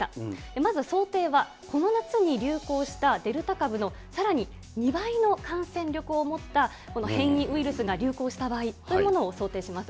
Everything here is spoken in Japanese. まず想定は、この夏に流行したデルタ株のさらに２倍の感染力を持った変異ウイルスが流行した場合というものを想定します。